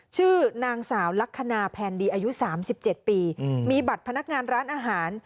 ชื่อนางสาวลักษณะแผนดีอายุ๓๗ปีมีบัตรพนักงานร้านอาหาร